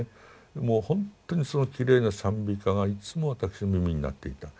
もうほんとにそのきれいな賛美歌がいつも私の耳に鳴っていた。